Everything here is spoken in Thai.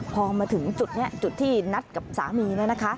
พอมาถึงจุดนี้จุดที่นัดกับสามีเนี่ยนะคะ